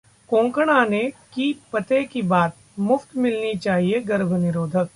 कोंकणा ने की पते की बात, मुफ्त मिलनी चाहिए गर्भनिरोधक